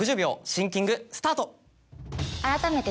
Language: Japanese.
シンキングスタート。